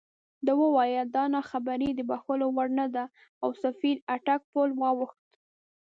ده وویل دا ناخبري د بښلو وړ نه ده او سفیر اټک پُل واوښت.